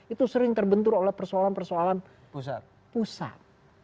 itu sering terbentur oleh persoalan persoalan pusat